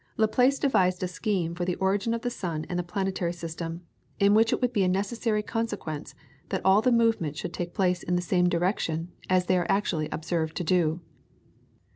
Laplace devised a scheme for the origin of the sun and the planetary system, in which it would be a necessary consequence that all the movements should take place in the same direction as they are actually observed to do.